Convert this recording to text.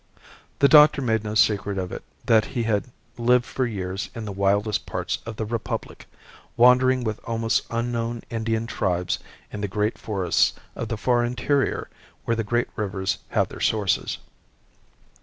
The doctor made no secret of it that he had lived for years in the wildest parts of the Republic, wandering with almost unknown Indian tribes in the great forests of the far interior where the great rivers have their sources.